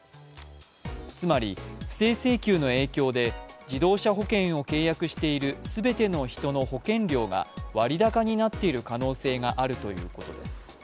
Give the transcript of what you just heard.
つまり不正請求の影響で自動車保険を契約している全ての人の保険料が割高になっている可能性があるということです。